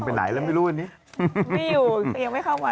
ไปไหนไปได้ละกัน